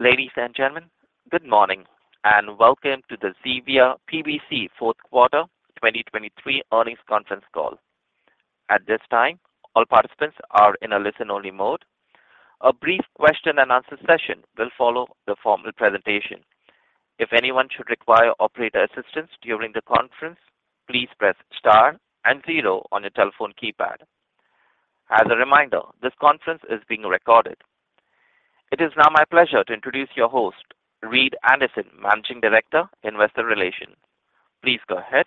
Ladies and gentlemen, good morning and welcome to the Zevia PBC fourth quarter 2023 earnings conference call. At this time, all participants are in a listen-only mode. A brief question-and-answer session will follow the formal presentation. If anyone should require operator assistance during the conference, please press * and zero on your telephone keypad. As a reminder, this conference is being recorded. It is now my pleasure to introduce your host, Reed Anderson, Managing Director, Investor Relations. Please go ahead.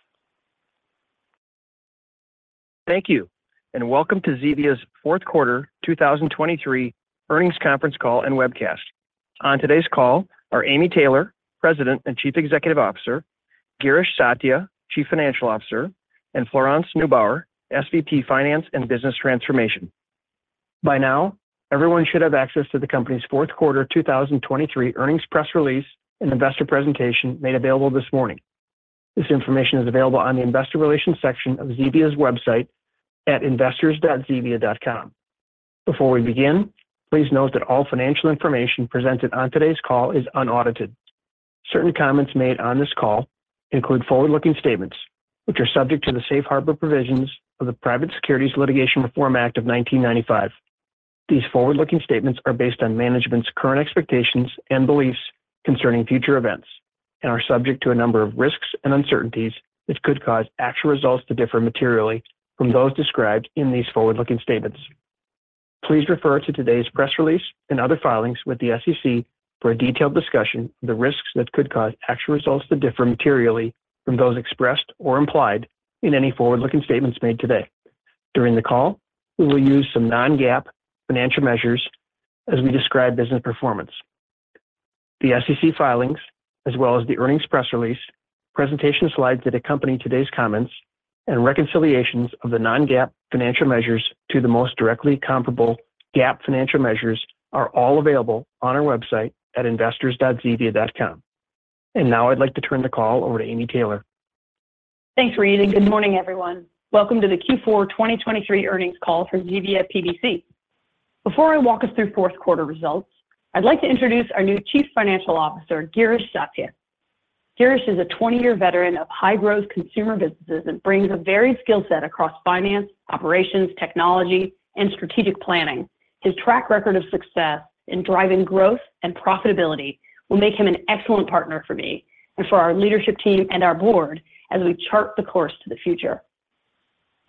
Thank you and welcome to Zevia's fourth quarter 2023 earnings conference call and webcast. On today's call are Amy Taylor, President and Chief Executive Officer, Girish Satya, Chief Financial Officer, and Florence Neubauer, SVP Finance and Business Transformation. By now, everyone should have access to the company's fourth quarter 2023 earnings press release and investor presentation made available this morning. This information is available on the Investor Relations section of Zevia's website at investors.zevia.com. Before we begin, please note that all financial information presented on today's call is unaudited. Certain comments made on this call include forward-looking statements, which are subject to the Safe Harbor provisions of the Private Securities Litigation Reform Act of 1995. These forward-looking statements are based on management's current expectations and beliefs concerning future events and are subject to a number of risks and uncertainties that could cause actual results to differ materially from those described in these forward-looking statements. Please refer to today's press release and other filings with the SEC for a detailed discussion of the risks that could cause actual results to differ materially from those expressed or implied in any forward-looking statements made today. During the call, we will use some non-GAAP financial measures as we describe business performance. The SEC filings, as well as the earnings press release, presentation slides that accompany today's comments, and reconciliations of the non-GAAP financial measures to the most directly comparable GAAP financial measures are all available on our website at investors.zevia.com. And now I'd like to turn the call over to Amy Taylor. Thanks, Reed, and good morning, everyone. Welcome to the Q4 2023 earnings call for Zevia PBC. Before I walk us through fourth quarter results, I'd like to introduce our new Chief Financial Officer, Girish Satya. Girish is a 20-year veteran of high-growth consumer businesses and brings a varied skill set across finance, operations, technology, and strategic planning. His track record of success in driving growth and profitability will make him an excellent partner for me and for our leadership team and our board as we chart the course to the future.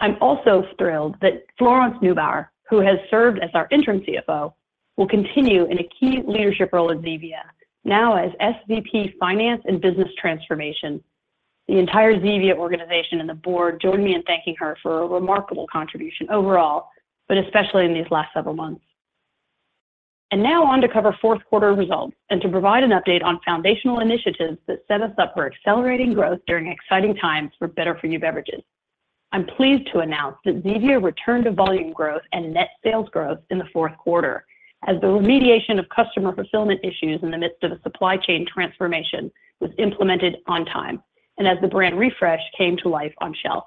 I'm also thrilled that Florence Neubauer, who has served as our interim CFO, will continue in a key leadership role at Zevia, now as SVP Finance and Business Transformation. The entire Zevia organization and the board join me in thanking her for a remarkable contribution overall, but especially in these last several months. Now on to cover fourth quarter results and to provide an update on foundational initiatives that set us up for accelerating growth during exciting times for better-for-you beverages. I'm pleased to announce that Zevia returned to volume growth and net sales growth in the fourth quarter as the remediation of customer fulfillment issues in the midst of a supply chain transformation was implemented on time and as the brand refresh came to life on shelf.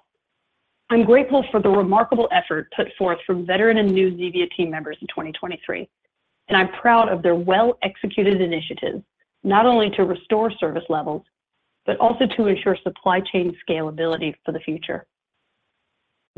I'm grateful for the remarkable effort put forth from veteran and new Zevia team members in 2023, and I'm proud of their well-executed initiatives not only to restore service levels but also to ensure supply chain scalability for the future.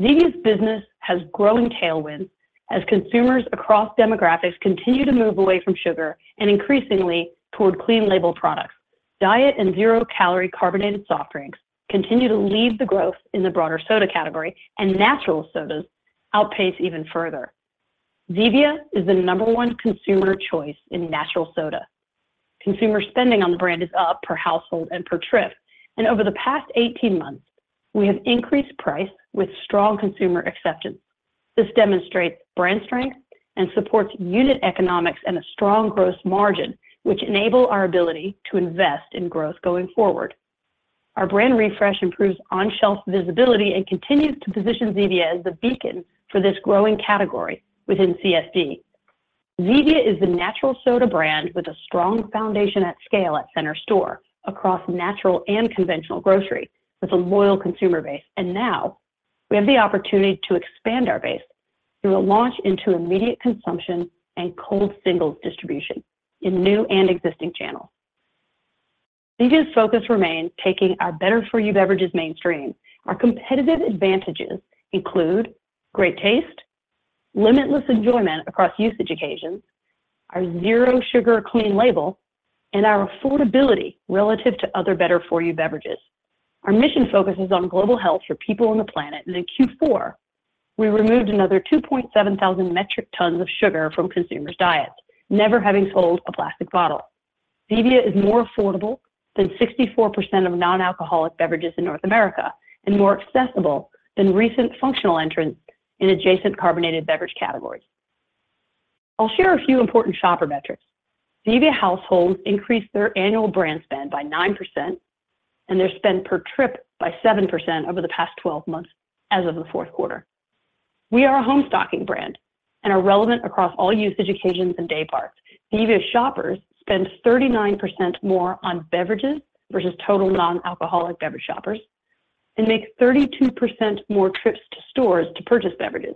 Zevia's business has growing tailwinds as consumers across demographics continue to move away from sugar and increasingly toward clean-label products. Diet and zero-calorie carbonated soft drinks continue to lead the growth in the broader soda category, and natural sodas outpace even further. Zevia is the number one consumer choice in natural soda. Consumer spending on the brand is up per household and per trip, and over the past 18 months, we have increased price with strong consumer acceptance. This demonstrates brand strength and supports unit economics and a strong gross margin, which enable our ability to invest in growth going forward. Our brand refresh improves on-shelf visibility and continues to position Zevia as the beacon for this growing category within CSD. Zevia is the natural soda brand with a strong foundation at scale at Center Store across natural and conventional grocery with a loyal consumer base, and now we have the opportunity to expand our base through a launch into immediate consumption and cold singles distribution in new and existing channels. Zevia's focus remains taking our better-for-you beverages mainstream. Our competitive advantages include great taste, limitless enjoyment across usage occasions, our zero-sugar clean label, and our affordability relative to other better-for-you beverages. Our mission focuses on global health for people on the planet, and in Q4, we removed another 2,700 metric tons of sugar from consumers' diets, never having sold a plastic bottle. Zevia is more affordable than 64% of non-alcoholic beverages in North America and more accessible than recent functional entrants in adjacent carbonated beverage categories. I'll share a few important shopper metrics. Zevia households increased their annual brand spend by 9% and their spend per trip by 7% over the past 12 months as of the fourth quarter. We are a home stocking brand and are relevant across all usage occasions and day parts. Zevia shoppers spend 39% more on beverages versus total non-alcoholic beverage shoppers and make 32% more trips to stores to purchase beverages.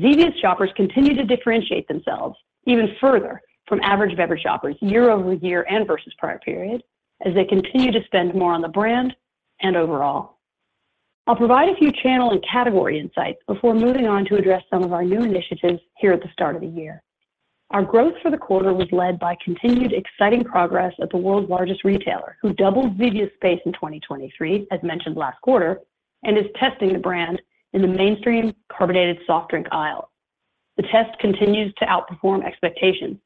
Zevia's shoppers continue to differentiate themselves even further from average beverage shoppers year-over-year and versus prior period as they continue to spend more on the brand and overall. I'll provide a few channel and category insights before moving on to address some of our new initiatives here at the start of the year. Our growth for the quarter was led by continued exciting progress at the world's largest retailer, who doubled Zevia's space in 2023, as mentioned last quarter, and is testing the brand in the mainstream carbonated soft drink aisle. The test continues to outperform expectations.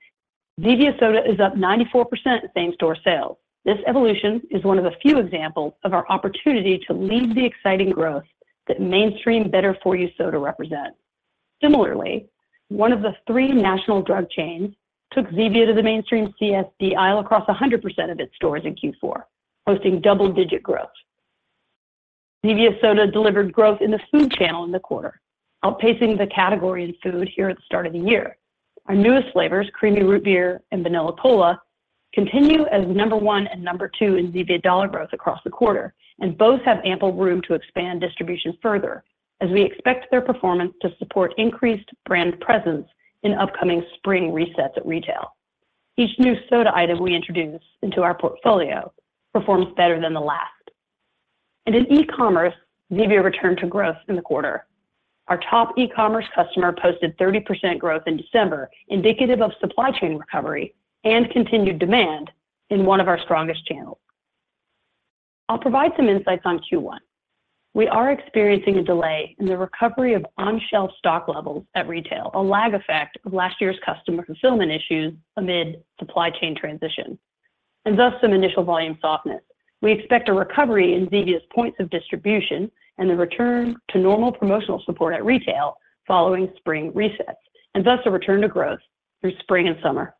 Zevia Soda is up 94% in same-store sales. This evolution is one of a few examples of our opportunity to lead the exciting growth that mainstream better-for-you soda represents. Similarly, one of the three national drug chains took Zevia to the mainstream CSD aisle across 100% of its stores in Q4, posting double-digit growth. Zevia Soda delivered growth in the food channel in the quarter, outpacing the category in food here at the start of the year. Our newest flavors, Creamy Root Beer and Vanilla Cola, continue as number one and number two in Zevia dollar growth across the quarter, and both have ample room to expand distribution further as we expect their performance to support increased brand presence in upcoming spring resets at retail. Each new soda item we introduce into our portfolio performs better than the last. In e-commerce, Zevia returned to growth in the quarter. Our top e-commerce customer posted 30% growth in December, indicative of supply chain recovery and continued demand in one of our strongest channels. I'll provide some insights on Q1. We are experiencing a delay in the recovery of on-shelf stock levels at retail, a lag effect of last year's customer fulfillment issues amid supply chain transition, and thus some initial volume softness. We expect a recovery in Zevia's points of distribution and the return to normal promotional support at retail following spring resets, and thus a return to growth through spring and summer.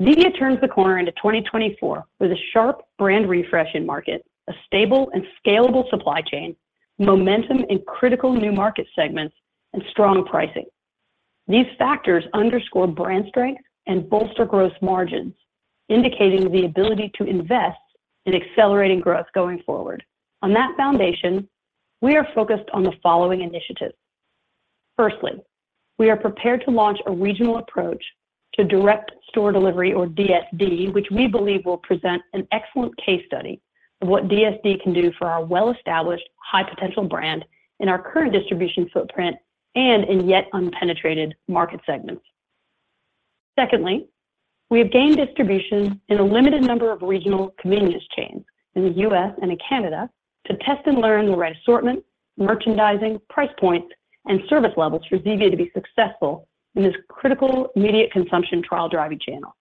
Zevia turns the corner into 2024 with a sharp brand refresh in market, a stable and scalable supply chain, momentum in critical new market segments, and strong pricing. These factors underscore brand strength and bolster growth margins, indicating the ability to invest in accelerating growth going forward. On that foundation, we are focused on the following initiatives. Firstly, we are prepared to launch a regional approach to direct store delivery, or DSD, which we believe will present an excellent case study of what DSD can do for our well-established, high-potential brand in our current distribution footprint and in yet unpenetrated market segments. Secondly, we have gained distribution in a limited number of regional convenience chains in the U.S. and in Canada to test and learn the right assortment, merchandising, price points, and service levels for Zevia to be successful in this critical immediate consumption trial driving channel.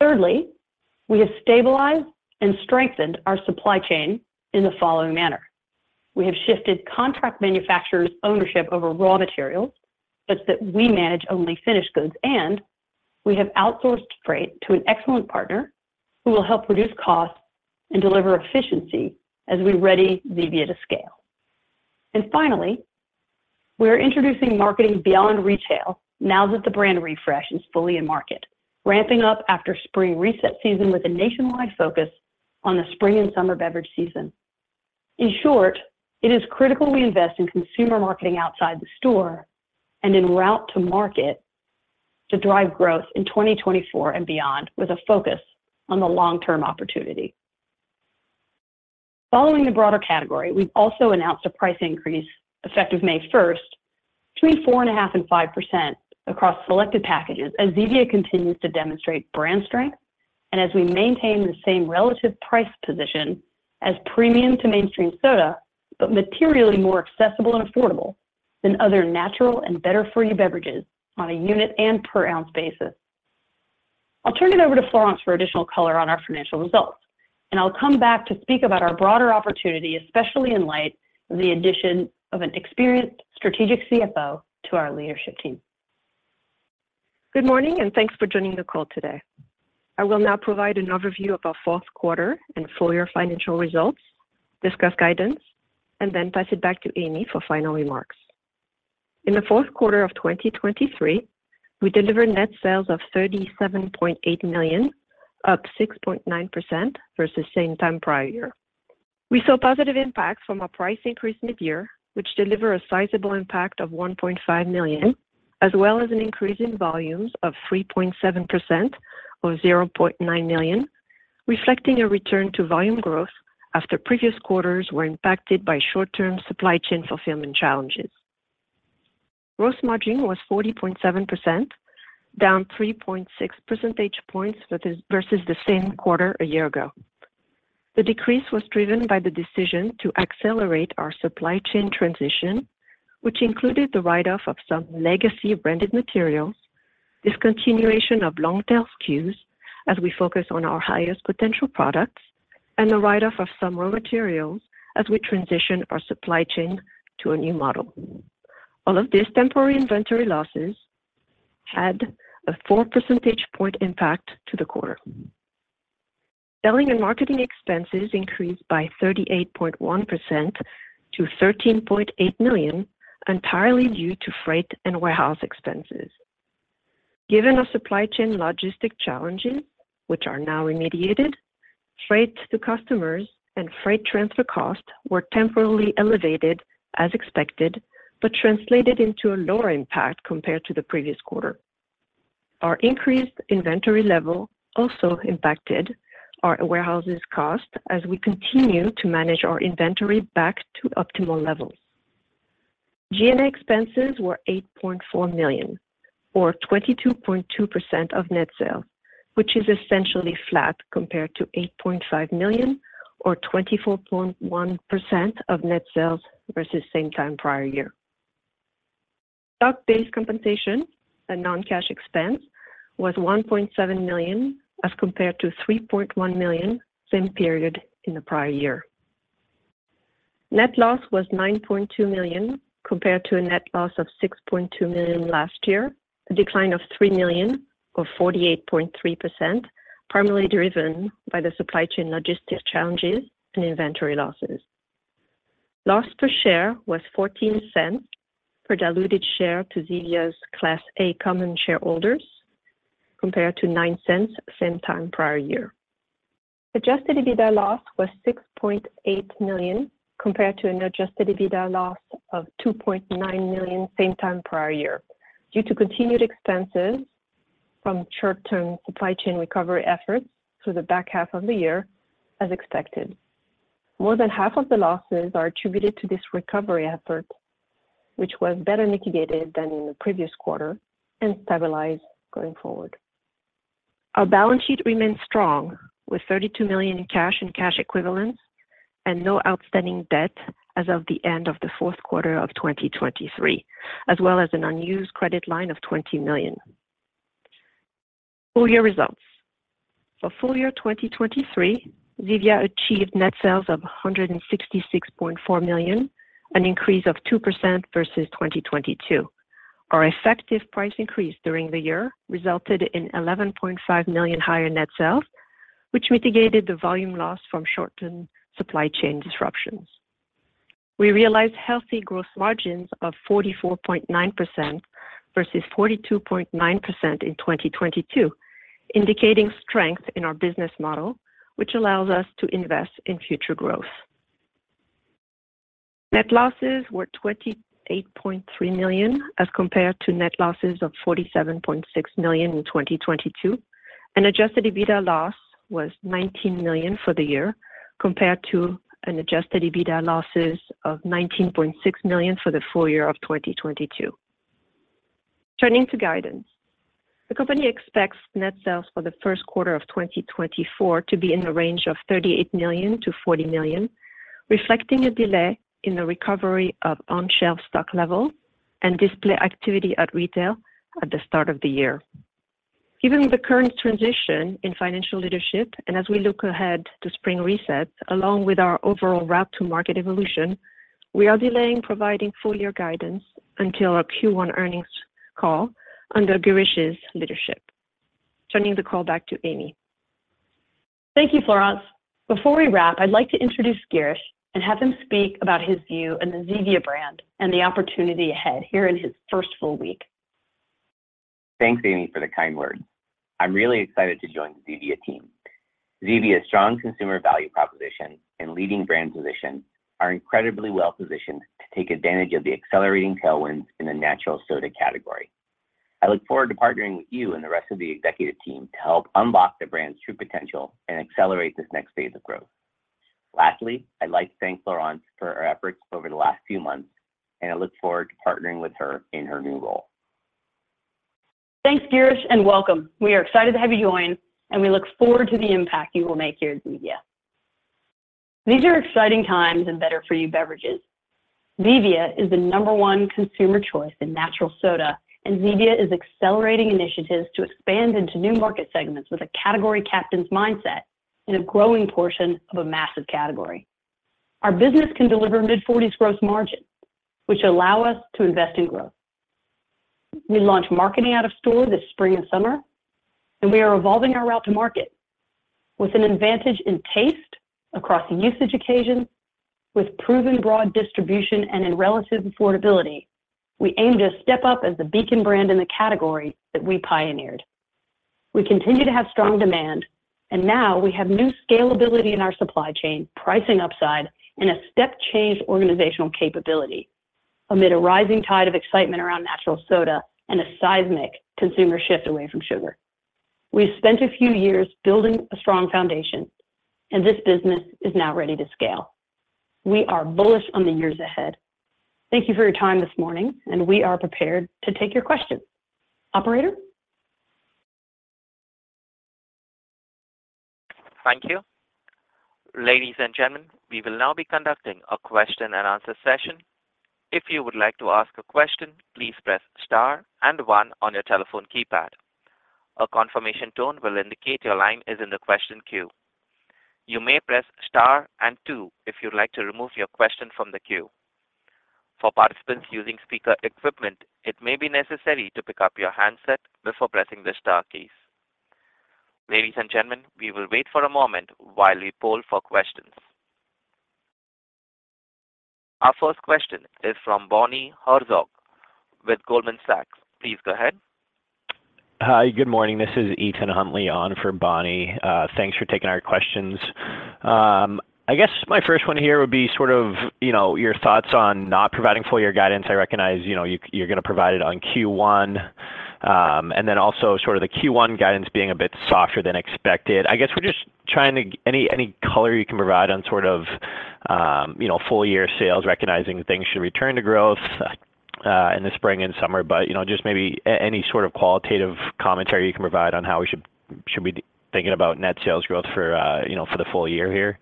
Thirdly, we have stabilized and strengthened our supply chain in the following manner. We have shifted contract manufacturers' ownership over raw materials such that we manage only finished goods, and we have outsourced freight to an excellent partner who will help reduce costs and deliver efficiency as we ready Zevia to scale. Finally, we are introducing marketing beyond retail now that the brand refresh is fully in market, ramping up after spring reset season with a nationwide focus on the spring and summer beverage season. In short, it is critical we invest in consumer marketing outside the store and en route to market to drive growth in 2024 and beyond with a focus on the long-term opportunity. Following the broader category, we've also announced a price increase effective May 1st between 4.5%-5% across selected packages as Zevia continues to demonstrate brand strength and as we maintain the same relative price position as premium to mainstream soda, but materially more accessible and affordable than other natural and better-for-you beverages on a unit and per ounce basis. I'll turn it over to Florence for additional color on our financial results, and I'll come back to speak about our broader opportunity, especially in light of the addition of an experienced strategic CFO to our leadership team. Good morning, and thanks for joining the call today. I will now provide an overview of our fourth quarter and full-year financial results, discuss guidance, and then pass it back to Amy for final remarks. In the fourth quarter of 2023, we delivered net sales of $37.8 million, up 6.9% versus same time prior year. We saw positive impacts from a price increase mid-year, which delivered a sizable impact of $1.5 million, as well as an increase in volumes of 3.7% or $0.9 million, reflecting a return to volume growth after previous quarters were impacted by short-term supply chain fulfillment challenges. Gross margin was 40.7%, down 3.6 percentage points versus the same quarter a year ago. The decrease was driven by the decision to accelerate our supply chain transition, which included the write-off of some legacy branded materials, discontinuation of long-tail SKUs as we focus on our highest potential products, and the write-off of some raw materials as we transition our supply chain to a new model. All of these temporary inventory losses had a four percentage point impact to the quarter. Selling and marketing expenses increased by 38.1% to $13.8 million, entirely due to freight and warehouse expenses. Given our supply chain logistic challenges, which are now remediated, freight to customers and freight transfer costs were temporarily elevated as expected but translated into a lower impact compared to the previous quarter. Our increased inventory level also impacted our warehouses' costs as we continue to manage our inventory back to optimal levels. G&A expenses were $8.4 million or 22.2% of net sales, which is essentially flat compared to $8.5 million or 24.1% of net sales versus same time prior year. Stock-based compensation, a non-cash expense, was $1.7 million as compared to $3.1 million, same period in the prior year. Net loss was $9.2 million compared to a net loss of $6.2 million last year, a decline of $3 million or 48.3%, primarily driven by the supply chain logistics challenges and inventory losses. Loss per share was $0.14 per diluted share to Zevia's Class A common shareholders compared to $0.09, same time prior year. Adjusted EBITDA loss was $6.8 million compared to an Adjusted EBITDA loss of $2.9 million, same time prior year, due to continued expenses from short-term supply chain recovery efforts through the back half of the year, as expected. More than half of the losses are attributed to this recovery effort, which was better mitigated than in the previous quarter and stabilized going forward. Our balance sheet remains strong with $32 million in cash and cash equivalents and no outstanding debt as of the end of the fourth quarter of 2023, as well as an unused credit line of $20 million. Full-year results. For full-year 2023, Zevia achieved net sales of $166.4 million, an increase of 2% versus 2022. Our effective price increase during the year resulted in $11.5 million higher net sales, which mitigated the volume loss from shortened supply chain disruptions. We realized healthy gross margins of 44.9% versus 42.9% in 2022, indicating strength in our business model, which allows us to invest in future growth. Net losses were $28.3 million as compared to net losses of $47.6 million in 2022, and Adjusted EBITDA loss was $19 million for the year compared to an Adjusted EBITDA losses of $19.6 million for the full year of 2022. Turning to guidance, the company expects net sales for the first quarter of 2024 to be in the range of $38 million-$40 million, reflecting a delay in the recovery of on-shelf stock levels and display activity at retail at the start of the year. Given the current transition in financial leadership and as we look ahead to spring resets, along with our overall route to market evolution, we are delaying providing full-year guidance until our Q1 earnings call under Girish's leadership. Turning the call back to Amy. Thank you, Florence. Before we wrap, I'd like to introduce Girish and have him speak about his view on the Zevia brand and the opportunity ahead here in his first full week. Thanks, Amy, for the kind words. I'm really excited to join the Zevia team. Zevia's strong consumer value proposition and leading brand position are incredibly well-positioned to take advantage of the accelerating tailwinds in the natural soda category. I look forward to partnering with you and the rest of the executive team to help unlock the brand's true potential and accelerate this next phase of growth. Lastly, I'd like to thank Florence for her efforts over the last few months, and I look forward to partnering with her in her new role. Thanks, Girish, and welcome. We are excited to have you join, and we look forward to the impact you will make here at Zevia. These are exciting times in better-for-you beverages. Zevia is the number one consumer choice in natural soda, and Zevia is accelerating initiatives to expand into new market segments with a category captain's mindset in a growing portion of a massive category. Our business can deliver mid-40s gross margins, which allow us to invest in growth. We launch marketing out of store this spring and summer, and we are evolving our route to market with an advantage in taste across usage occasions. With proven broad distribution and in relative affordability, we aim to step up as the beacon brand in the category that we pioneered. We continue to have strong demand, and now we have new scalability in our supply chain, pricing upside, and a step-changed organizational capability amid a rising tide of excitement around natural soda and a seismic consumer shift away from sugar. We've spent a few years building a strong foundation, and this business is now ready to scale. We are bullish on the years ahead. Thank you for your time this morning, and we are prepared to take your questions. Operator? Thank you. Ladies and gentlemen, we will now be conducting a question-and-answer session. If you would like to ask a question, please press star and one on your telephone keypad. A confirmation tone will indicate your line is in the question queue. You may press star and two if you'd like to remove your question from the queue. For participants using speaker equipment, it may be necessary to pick up your handset before pressing the star keys. Ladies and gentlemen, we will wait for a moment while we poll for questions. Our first question is from Bonnie Herzog with Goldman Sachs. Please go ahead. Hi. Good morning. This is Ethan Huntley on for Bonnie. Thanks for taking our questions. I guess my first one here would be sort of your thoughts on not providing full-year guidance. I recognize you're going to provide it on Q1, and then also sort of the Q1 guidance being a bit softer than expected. I guess we're just trying to any color you can provide on sort of full-year sales, recognizing things should return to growth in the spring and summer, but just maybe any sort of qualitative commentary you can provide on how we should be thinking about net sales growth for the full year here.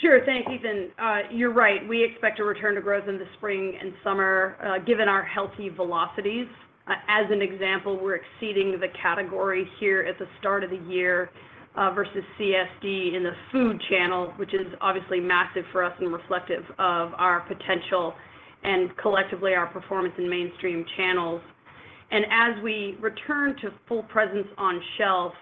Sure. Thanks, Ethan. You're right. We expect a return to growth in the spring and summer given our healthy velocities. As an example, we're exceeding the category here at the start of the year versus CSD in the food channel, which is obviously massive for us and reflective of our potential and collectively our performance in mainstream channels. As we return to full presence on shelf,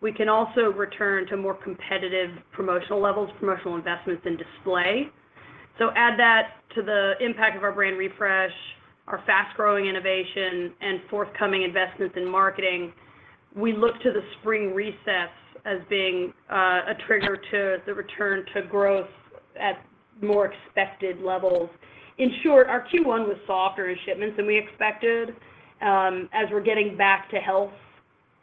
we can also return to more competitive promotional levels, promotional investments, and display. Add that to the impact of our brand refresh, our fast-growing innovation, and forthcoming investments in marketing. We look to the spring resets as being a trigger to the return to growth at more expected levels. In short, our Q1 was softer in shipments than we expected as we're getting back to health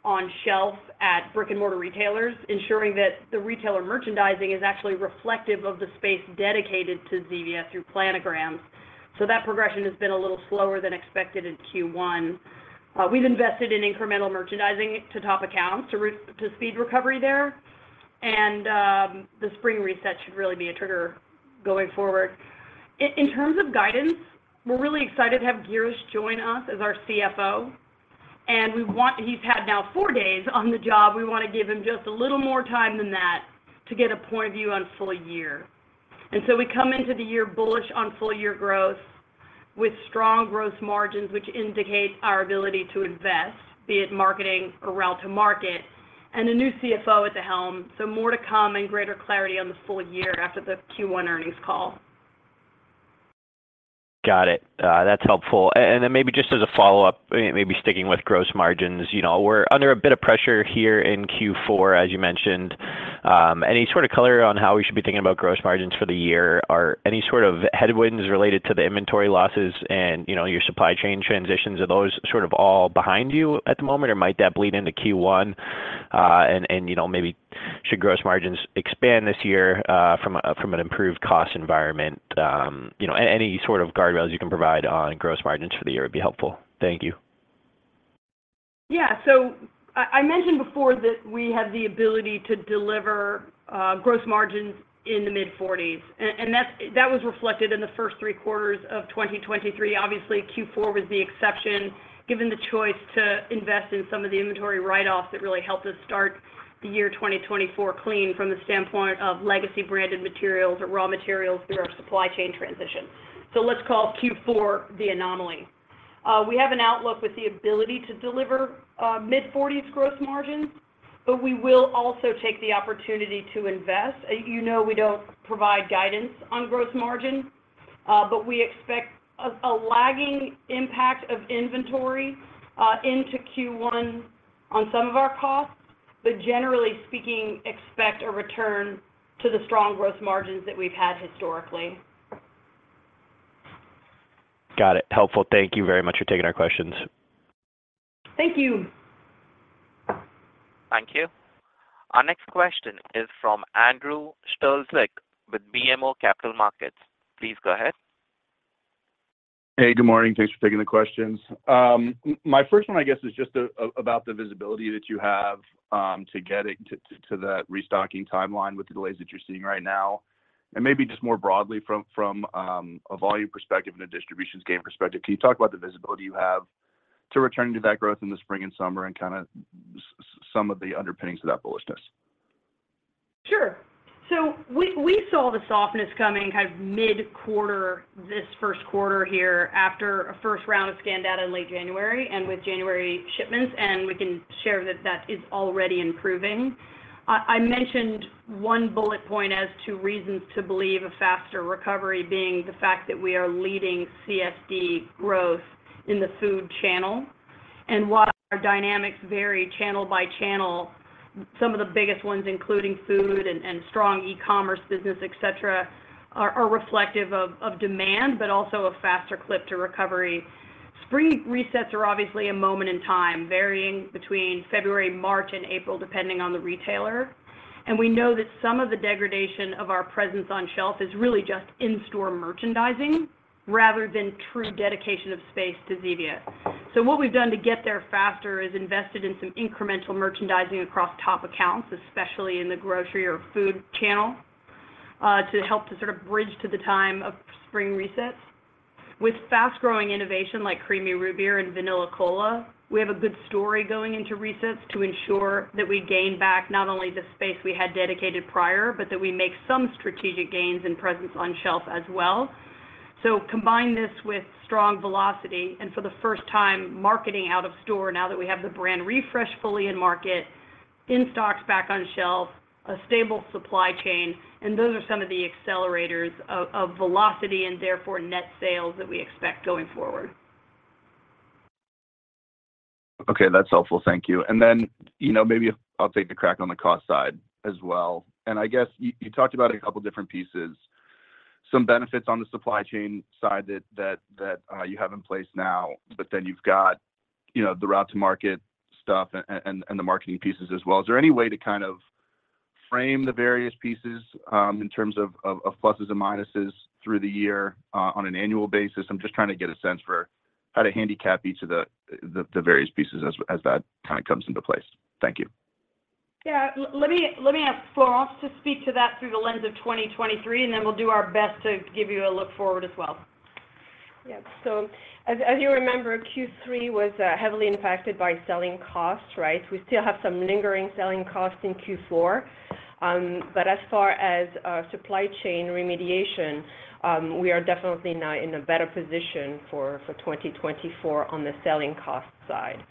on shelf at brick-and-mortar retailers, ensuring that the retailer merchandising is actually reflective of the space dedicated to Zevia through planograms. So that progression has been a little slower than expected in Q1. We've invested in incremental merchandising to top accounts to speed recovery there, and the spring reset should really be a trigger going forward. In terms of guidance, we're really excited to have Girish join us as our CFO, and he's had now four days on the job. We want to give him just a little more time than that to get a point of view on full year. So we come into the year bullish on full-year growth with strong gross margins, which indicate our ability to invest, be it marketing or route to market, and a new CFO at the helm. More to come and greater clarity on the full year after the Q1 earnings call. Got it. That's helpful. And then maybe just as a follow-up, maybe sticking with gross margins, we're under a bit of pressure here in Q4, as you mentioned. Any sort of color on how we should be thinking about gross margins for the year? Are any sort of headwinds related to the inventory losses and your supply chain transitions? Are those sort of all behind you at the moment, or might that bleed into Q1? And maybe should gross margins expand this year from an improved cost environment? Any sort of guardrails you can provide on gross margins for the year would be helpful. Thank you. Yeah. So I mentioned before that we have the ability to deliver gross margins in the mid-40s, and that was reflected in the first three quarters of 2023. Obviously, Q4 was the exception given the choice to invest in some of the inventory write-offs that really helped us start the year 2024 clean from the standpoint of legacy branded materials or raw materials through our supply chain transition. So let's call Q4 the anomaly. We have an outlook with the ability to deliver mid-40s gross margins, but we will also take the opportunity to invest. You know we don't provide guidance on gross margin, but we expect a lagging impact of inventory into Q1 on some of our costs, but generally speaking, expect a return to the strong gross margins that we've had historically. Got it. Helpful. Thank you very much for taking our questions. Thank you. Thank you. Our next question is from Andrew Strelzik with BMO Capital Markets. Please go ahead. Hey. Good morning. Thanks for taking the questions. My first one, I guess, is just about the visibility that you have to get to that restocking timeline with the delays that you're seeing right now, and maybe just more broadly from a volume perspective and a distributions gain perspective. Can you talk about the visibility you have to returning to that growth in the spring and summer and kind of some of the underpinnings to that bullishness? Sure. So we saw the softness coming kind of mid-quarter, this first quarter here after a first round of scan data in late January and with January shipments, and we can share that that is already improving. I mentioned one bullet point as to reasons to believe a faster recovery being the fact that we are leading CSD growth in the food channel. And while our dynamics vary channel by channel, some of the biggest ones, including food and strong e-commerce business, etc., are reflective of demand but also a faster clip to recovery. Spring resets are obviously a moment in time, varying between February, March, and April, depending on the retailer. And we know that some of the degradation of our presence on shelf is really just in-store merchandising rather than true dedication of space to Zevia. So what we've done to get there faster is invested in some incremental merchandising across top accounts, especially in the grocery or food channel, to help to sort of bridge to the time of spring resets. With fast-growing innovation like Creamy Root Beer or in Vanilla Cola, we have a good story going into resets to ensure that we gain back not only the space we had dedicated prior but that we make some strategic gains in presence on shelf as well. So combine this with strong velocity and, for the first time, marketing out of store now that we have the brand refresh fully in market, in-stocks back on shelf, a stable supply chain, and those are some of the accelerators of velocity and therefore net sales that we expect going forward. Okay. That's helpful. Thank you. And then maybe I'll take a crack on the cost side as well. And I guess you talked about a couple of different pieces, some benefits on the supply chain side that you have in place now, but then you've got the route to market stuff and the marketing pieces as well. Is there any way to kind of frame the various pieces in terms of pluses and minuses through the year on an annual basis? I'm just trying to get a sense for how to handicap each of the various pieces as that kind of comes into place. Thank you. Yeah. Let me ask Florence to speak to that through the lens of 2023, and then we'll do our best to give you a look forward as well. Yep. So as you remember, Q3 was heavily impacted by selling costs, right? We still have some lingering selling costs in Q4. But as far as supply chain remediation, we are definitely now in a better position for 2024 on the selling cost side.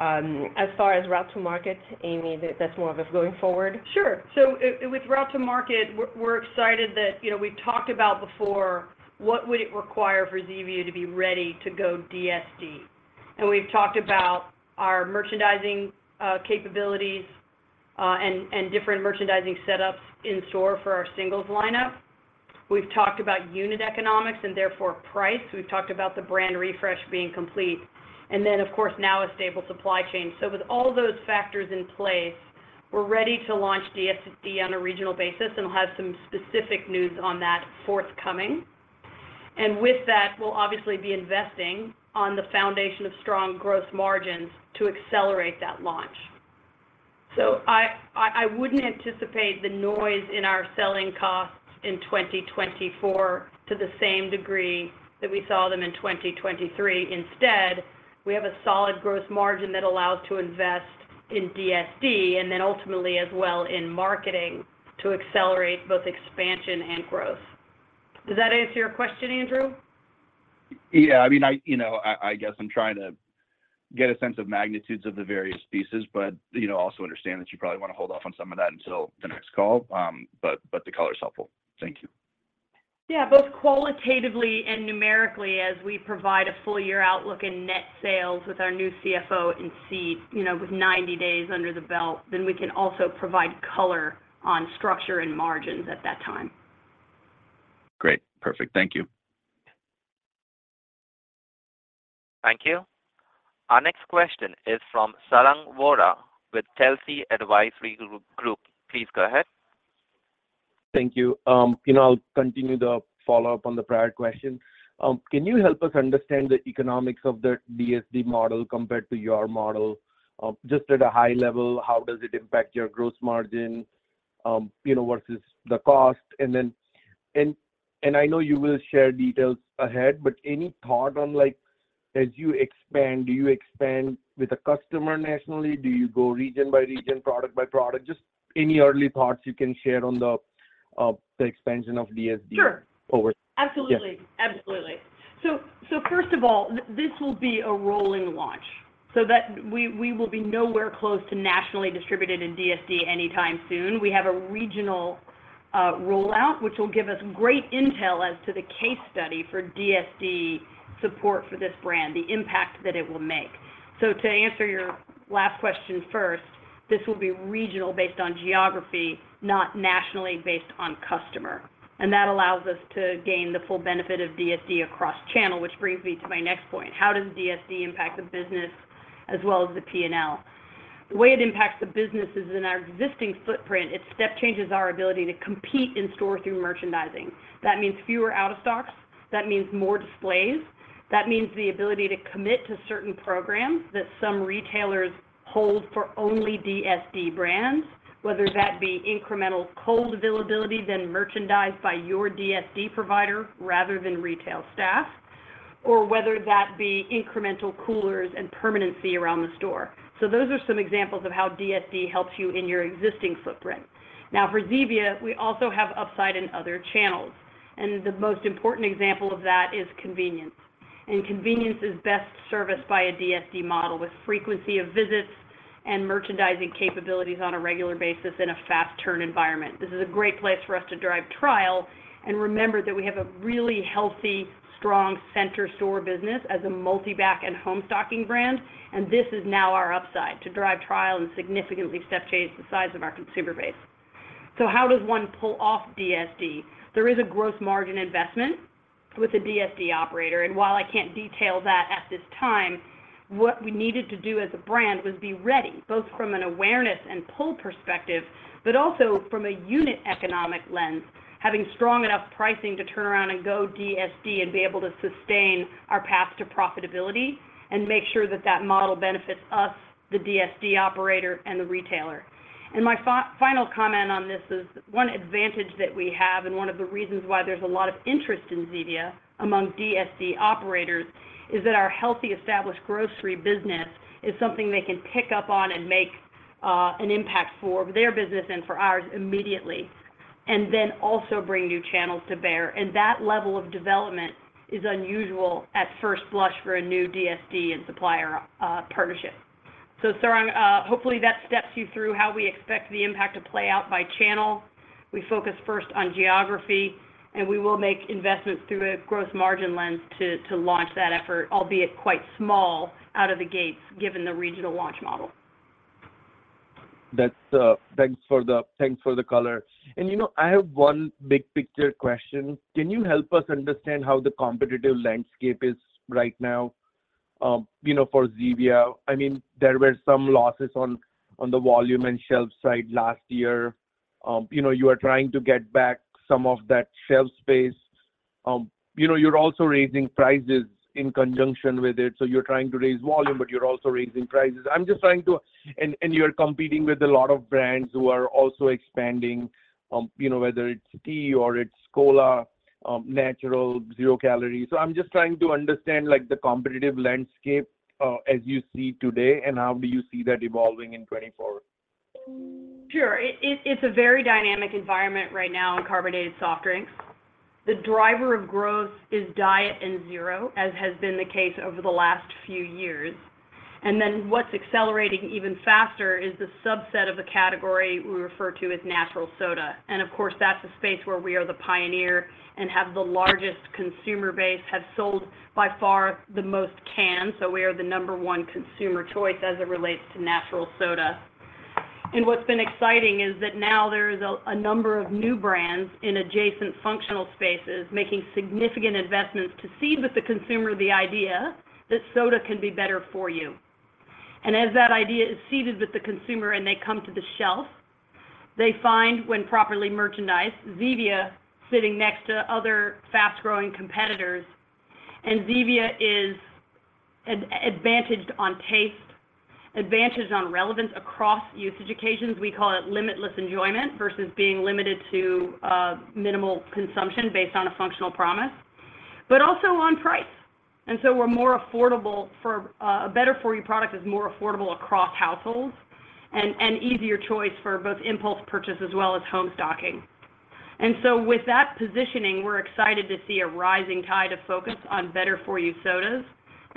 As far as route to market, Amy, that's more of a going forward? Sure. So with route to market, we're excited that we've talked about before what would it require for Zevia to be ready to go DSD. And we've talked about our merchandising capabilities and different merchandising setups in store for our singles lineup. We've talked about unit economics and therefore price. We've talked about the brand refresh being complete. And then, of course, now a stable supply chain. So with all those factors in place, we're ready to launch DSD on a regional basis, and we'll have some specific news on that forthcoming. And with that, we'll obviously be investing on the foundation of strong gross margins to accelerate that launch. So I wouldn't anticipate the noise in our selling costs in 2024 to the same degree that we saw them in 2023. Instead, we have a solid gross margin that allows to invest in DSD and then ultimately as well in marketing to accelerate both expansion and growth. Does that answer your question, Andrew? Yeah. I mean, I guess I'm trying to get a sense of magnitudes of the various pieces but also understand that you probably want to hold off on some of that until the next call. But the color is helpful. Thank you. Yeah. Both qualitatively and numerically, as we provide a full-year outlook and net sales with our new CFO, 90 days under the belt, then we can also provide color on structure and margins at that time. Great. Perfect. Thank you. Thank you. Our next question is from Sarang Vora with Telsey Advisory Group. Please go ahead. Thank you. I'll continue the follow-up on the prior question. Can you help us understand the economics of the DSD model compared to your model? Just at a high level, how does it impact your gross margin versus the cost? And I know you will share details ahead, but any thought on as you expand, do you expand with a customer nationally? Do you go region by region, product by product? Just any early thoughts you can share on the expansion of DSD over. Sure. Absolutely. Absolutely. So first of all, this will be a rolling launch. So we will be nowhere close to nationally distributed in DSD anytime soon. We have a regional rollout, which will give us great intel as to the case study for DSD support for this brand, the impact that it will make. So to answer your last question first, this will be regional based on geography, not nationally based on customer. And that allows us to gain the full benefit of DSD across channel, which brings me to my next point. How does DSD impact the business as well as the P&L? The way it impacts the business is in our existing footprint. It step-changes our ability to compete in store through merchandising. That means fewer out-of-stocks. That means more displays. That means the ability to commit to certain programs that some retailers hold for only DSD brands, whether that be incremental cold availability then merchandised by your DSD provider rather than retail staff, or whether that be incremental coolers and permanency around the store. So those are some examples of how DSD helps you in your existing footprint. Now, for Zevia, we also have upside in other channels. And the most important example of that is convenience. And convenience is best serviced by a DSD model with frequency of visits and merchandising capabilities on a regular basis in a fast-turn environment. This is a great place for us to drive trial and remember that we have a really healthy, strong center store business as a multi-back and home stocking brand, and this is now our upside to drive trial and significantly step-change the size of our consumer base. So how does one pull off DSD? There is a gross margin investment with a DSD operator. And while I can't detail that at this time, what we needed to do as a brand was be ready both from an awareness and pull perspective but also from a unit economic lens, having strong enough pricing to turn around and go DSD and be able to sustain our path to profitability and make sure that that model benefits us, the DSD operator, and the retailer. And my final comment on this is one advantage that we have and one of the reasons why there's a lot of interest in Zevia among DSD operators is that our healthy established grocery business is something they can pick up on and make an impact for their business and for ours immediately and then also bring new channels to bear. That level of development is unusual at first blush for a new DSD and supplier partnership. Hopefully, that steps you through how we expect the impact to play out by channel. We focus first on geography, and we will make investments through a gross margin lens to launch that effort, albeit quite small out of the gates, given the regional launch model. Thanks for the color. I have one big-picture question. Can you help us understand how the competitive landscape is right now for Zevia? I mean, there were some losses on the volume and shelf side last year. You are trying to get back some of that shelf space. You're also raising prices in conjunction with it. So you're trying to raise volume, but you're also raising prices. I'm just trying to and you're competing with a lot of brands who are also expanding, whether it's tea or it's cola, natural, zero-calorie. So I'm just trying to understand the competitive landscape as you see it today, and how do you see that evolving in 2024? Sure. It's a very dynamic environment right now in carbonated soft drinks. The driver of growth is diet and zero, as has been the case over the last few years. And then what's accelerating even faster is the subset of the category we refer to as natural soda. And of course, that's a space where we are the pioneer and have the largest consumer base, and have sold by far the most cans. So we are the number one consumer choice as it relates to natural soda. And what's been exciting is that now there's a number of new brands in adjacent functional spaces making significant investments to seed with the consumer the idea that soda can be better for you. And as that idea is seeded with the consumer and they come to the shelf, they find, when properly merchandised, Zevia sitting next to other fast-growing competitors. Zevia is advantaged on taste, advantaged on relevance across usage occasions. We call it limitless enjoyment versus being limited to minimal consumption based on a functional promise, but also on price. And so we're more affordable for a better-for-you product is more affordable across households and easier choice for both impulse purchase as well as home stocking. And so with that positioning, we're excited to see a rising tide of focus on better-for-you sodas,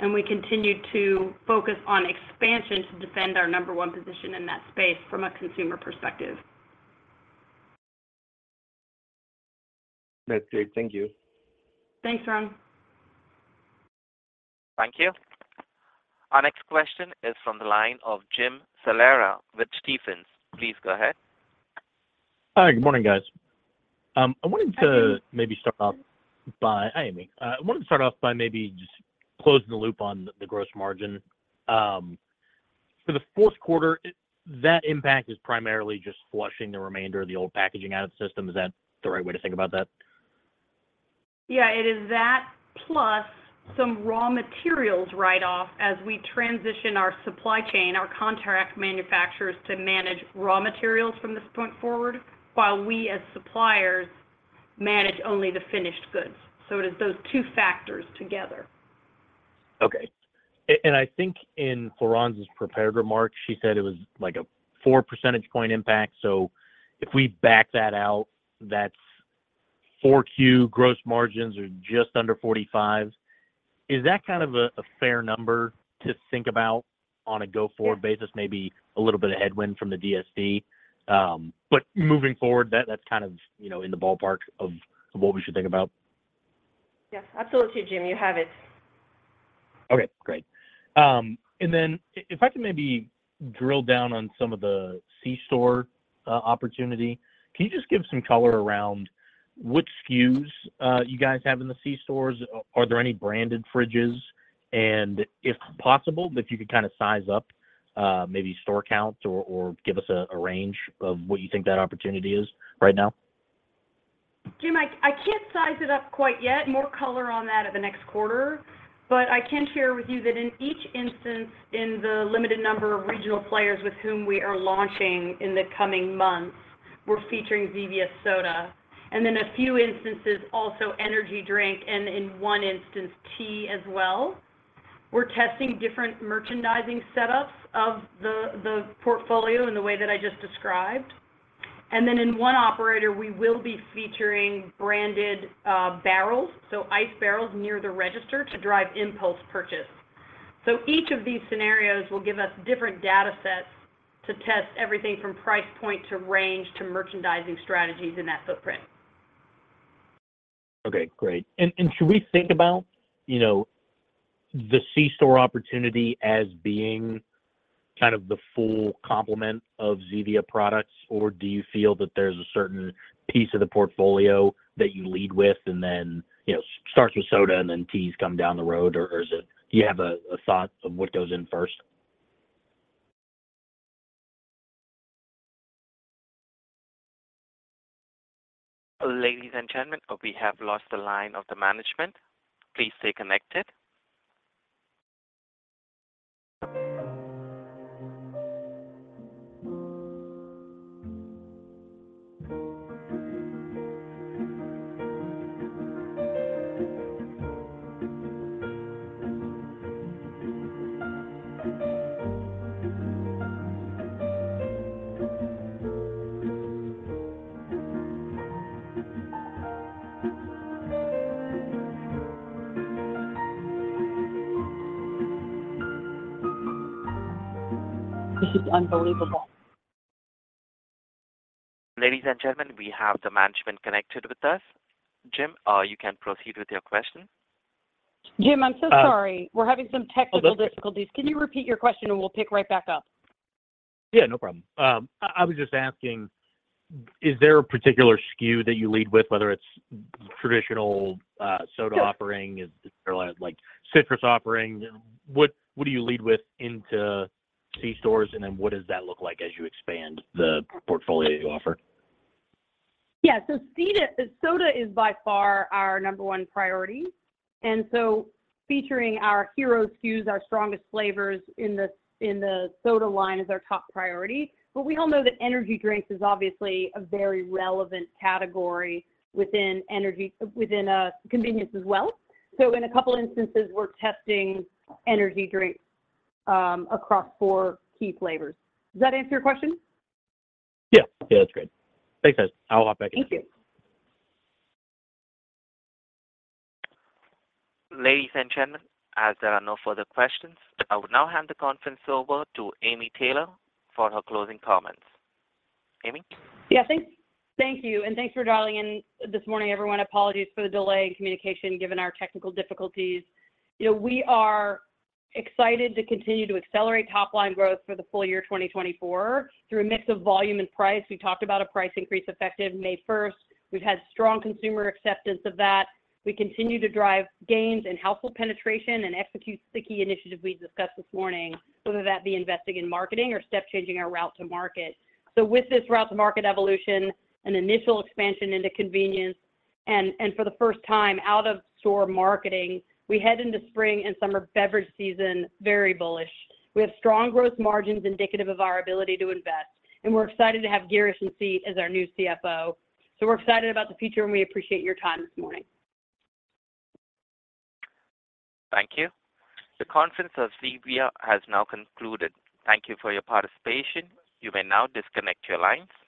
and we continue to focus on expansion to defend our number one position in that space from a consumer perspective. That's great. Thank you. Thanks, Sarang. Thank you. Our next question is from the line of Jim Salera with Stephens. Please go ahead. Hi. Good morning, guys. I wanted to start off by maybe just closing the loop on the gross margin. For the fourth quarter, that impact is primarily just flushing the remainder of the old packaging out of the system. Is that the right way to think about that? Yeah. It is that plus some raw materials write-off as we transition our supply chain, our contract manufacturers to manage raw materials from this point forward while we, as suppliers, manage only the finished goods. So it is those two factors together. Okay. And I think in Florence prepared remark, she said it was like a four percentage point impact. So if we back that out, that's 4Q gross margins are just under 45%. Is that kind of a fair number to think about on a go-forward basis, maybe a little bit of headwind from the DSD? But moving forward, that's kind of in the ballpark of what we should think about. Yes. Absolutely, Jim. You have it. Okay. Great. And then if I can maybe drill down on some of the C-store opportunity, can you just give some color around which SKUs you guys have in the C-stores? Are there any branded fridges? And if possible, if you could kind of size up maybe store counts or give us a range of what you think that opportunity is right now. Jim, I can't size it up quite yet. More color on that at the next quarter. But I can share with you that in each instance in the limited number of regional players with whom we are launching in the coming months, we're featuring Zevia Soda and then a few instances also energy drink and in one instance, tea as well. We're testing different merchandising setups of the portfolio in the way that I just described. And then in one operator, we will be featuring branded barrels, so ice barrels near the register to drive impulse purchase. So each of these scenarios will give us different datasets to test everything from price point to range to merchandising strategies in that footprint. Okay. Great. Should we think about the C-store opportunity as being kind of the full complement of Zevia products, or do you feel that there's a certain piece of the portfolio that you lead with and then starts with soda and then teas come down the road, or do you have a thought of what goes in first? Ladies and gentlemen, we have lost the line of the management. Please stay connected. This is unbelievable. Ladies and gentlemen, we have the management connected with us. Jim, you can proceed with your question. Jim, I'm so sorry. We're having some technical difficulties. Can you repeat your question, and we'll pick right back up? Yeah. No problem. I was just asking, is there a particular SKU that you lead with, whether it's traditional soda offering, is there a citrus offering? What do you lead with into C-stores, and then what does that look like as you expand the portfolio you offer? Yeah. So soda is by far our number one priority. And so featuring our hero SKUs, our strongest flavors in the soda line, is our top priority. But we all know that energy drinks is obviously a very relevant category within convenience as well. So in a couple of instances, we're testing energy drinks across four key flavors. Does that answer your question? Yeah. Yeah. That's great. Thanks, guys. I'll hop back in. Thank you. Ladies and gentlemen, as there are no further questions, I will now hand the conference over to Amy Taylor for her closing comments. Amy? Yeah. Thank you. And thanks for dialing in this morning, everyone. Apologies for the delay in communication given our technical difficulties. We are excited to continue to accelerate top-line growth for the full year 2024 through a mix of volume and price. We've talked about a price increase effective May 1st. We've had strong consumer acceptance of that. We continue to drive gains in household penetration and execute sticky initiatives we discussed this morning, whether that be investing in marketing or step-changing our route to market. So with this route-to-market evolution, an initial expansion into convenience, and for the first time, out-of-store marketing, we head into spring and summer beverage season very bullish. We have strong gross margins indicative of our ability to invest. And we're excited to have Girish Satya as our new CFO. So we're excited about the future, and we appreciate your time this morning. Thank you. The conference of Zevia has now concluded. Thank you for your participation. You may now disconnect your lines.